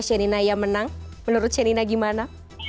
shenina ya menang menurut shenina gimana